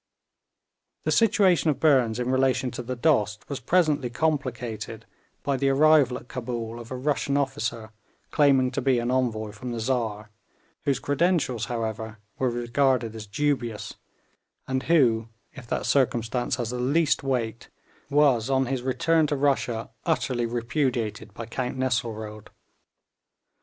The situation of Burnes in relation to the Dost was presently complicated by the arrival at Cabul of a Russian officer claiming to be an envoy from the Czar, whose credentials, however, were regarded as dubious, and who, if that circumstance has the least weight, was on his return to Russia utterly repudiated by Count Nesselrode.